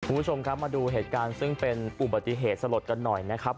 คุณผู้ชมครับมาดูเหตุการณ์ซึ่งเป็นอุบัติเหตุสลดกันหน่อยนะครับ